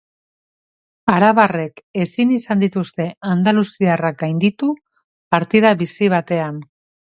Arabarrek ezin izan dituzte andaluziarrak gainditu partida bizi batean.